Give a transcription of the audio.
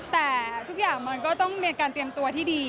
แต่ทุกอย่างมันก็ต้องมีการเตรียมตัวที่ดี